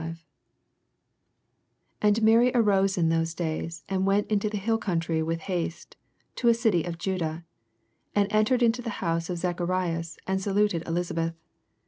89 And Mary arose in those days, ftnd went into the hill country with haste, into a city of Jnda ; 40 And entered into the house of Zacharias, and saluted Elisabeth.